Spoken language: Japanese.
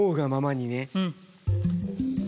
うん。